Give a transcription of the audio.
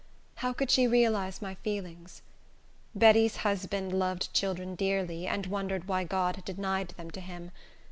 How could she realize my feelings? Betty's husband loved children dearly, and wondered why God had denied them to him.